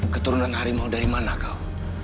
keturunan harimau dari mana kau